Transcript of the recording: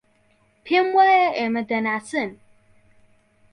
پێم وایە ئێمە دەناسن.